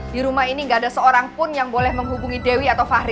di rumah ini gak ada seorang pun yang boleh menghubungi dewi atau fahri